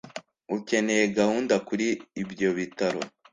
Ukeneye gahunda kuri ibyo bitaro